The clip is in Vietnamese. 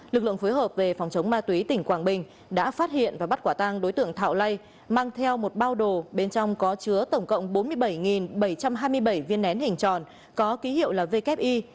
lực lượng phối hợp về phòng chống ma túy tỉnh quảng bình đã phát hiện và bắt quả tang đối tượng thảo lây mang theo một bao đồ bên trong có chứa tổng cộng bốn mươi bảy bảy trăm hai mươi bảy viên nén hình tròn có ký hiệu là wi